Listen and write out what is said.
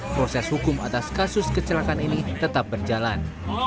proses hukum atas kasus kecelakaan ini tetap berjalan